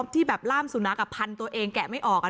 ที่แบบล่ามสุนัขพันตัวเองแกะไม่ออก